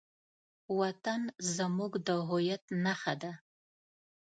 وطن زموږ د هویت نښه ده.